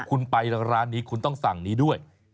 คุณไปร้านนี้คุณต้องสั่งนี้ด้วย